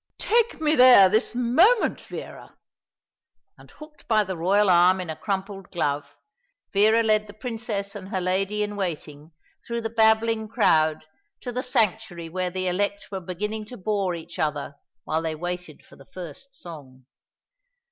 "Take me there this moment, Vera!" and hooked by the royal arm in a crumpled glove, Vera led the Princess and her lady in waiting through the babbling crowd to the sanctuary where the elect were beginning to bore each other while they waited for the first song.